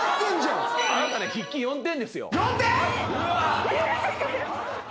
あなたね筆記４点ですよ。